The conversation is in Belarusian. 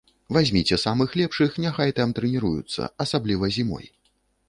Вазьміце самых лепшых, няхай там трэніруюцца, асабліва зімой.